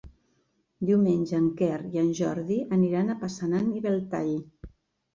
Diumenge en Quer i en Jordi aniran a Passanant i Belltall.